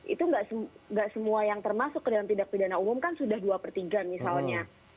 itu nggak semua yang termasuk ke dalam tindak pidana umum kan sudah dua per tiga misalnya